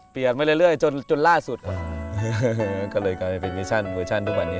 เปลี่ยนไปเรื่อยจนล่าสุดกว่าก็เลยกลายเป็นเวอร์ชั่นทุกวันนี้